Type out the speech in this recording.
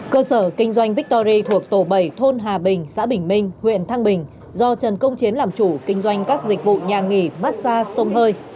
cơ sở kinh doanh victory thuộc tổ bẩy thôn hà bình xã bình minh huyện thăng bình do trần công chiến làm chủ kinh doanh các dịch vụ nhà nghỉ massage sông hơi